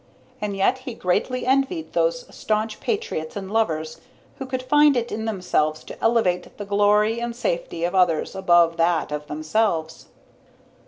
And yet he greatly envied those staunch patriots and lovers who could find it in themselves to elevate the glory and safety of others above that of themselves.